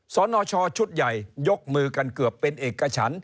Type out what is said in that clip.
สนชชุดใหญ่ยกมือกันเกือบเป็นเอกฉัน